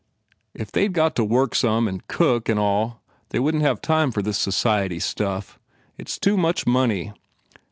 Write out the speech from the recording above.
If they d got to work some and cook an all they wouldn t have time for this society stuff. It s too much money.